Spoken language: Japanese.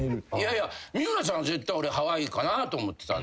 三村さん絶対俺ハワイかなと思ってたんです。